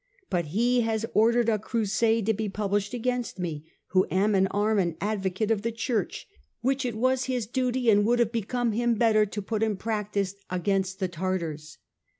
But he has ordered a crusade to be published against me, who am an arm and advocate of the Church, which it was his duty and would have become him better to put in practice against the Tartars.